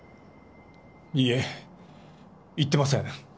いいえ行ってません。